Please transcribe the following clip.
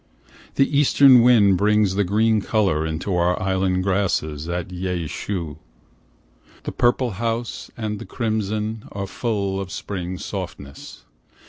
The eastern wind brings the green colour into the island grasses at Yei shu, The purple house and the crimson are full of Spring softness.